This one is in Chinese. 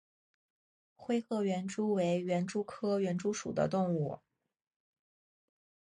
灰褐园蛛为园蛛科园蛛属的动物。